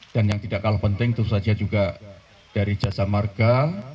dan yang tidak kalah penting itu saja juga dari jajaran marga